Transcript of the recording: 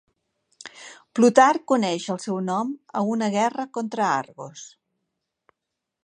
Plutarc uneix el seu nom a una guerra contra Argos.